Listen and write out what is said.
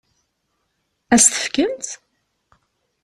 Ad s-t-fkent?